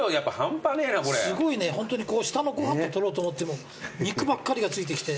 ホントに下のご飯と取ろうと思っても肉ばっかりがついてきて。